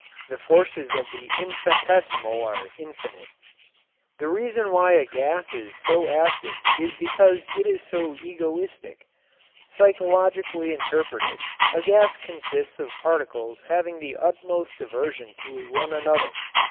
The forces of the infinitesimal are infinite. The reason why a gas is so active is because it is so egoistic. Psychologically interpreted, a gas consists of particles having the utmost aversion to one another.